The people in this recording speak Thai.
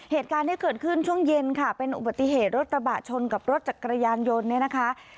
เหตุการณ์ที่เกิดขึ้นช่วงเย็นค่ะเป็นอุบัติเหตุรถกระบะชนกับรถจักรยานยนต์เนี่ยนะคะ